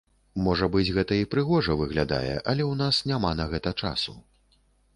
Можа быць, гэта і прыгожа выглядае, але ў нас няма на гэта часу.